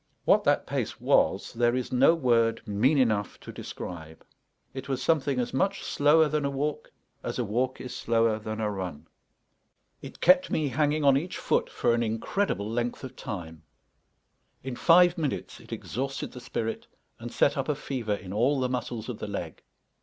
What that pace was there is no word mean enough to describe; it was something as much slower than a walk as a walk is slower than a run; it kept me hanging on each foot for an incredible length of time; in five minutes it exhausted the spirit and set up a fever in all the muscles of the leg.